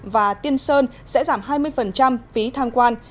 và tiên sơn sẽ giảm hai mươi phí tham quan